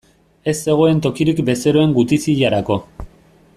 Ez zegoen tokirik bezeroen gutiziarako.